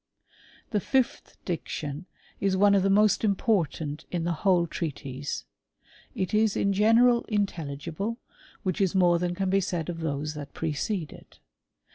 The fifth diction is one of the most important in the whole treatise ; it is in general intelligible, which is more than can be said of those that precede it.